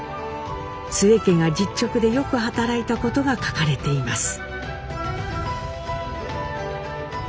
津江家が実直でよく働いたことが書かれています。